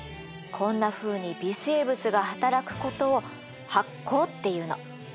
こんなふうに微生物が働くことを発酵っていうの。